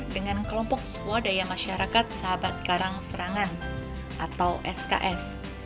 dengan kelompok swadaya masyarakat sahabat karang serangan atau sks